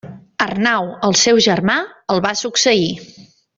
Arnau el seu germà el va succeir.